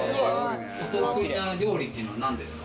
得意な料理っていうのは何ですか？